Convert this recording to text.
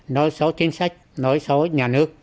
nói xấu chính sách nói xấu nhà nước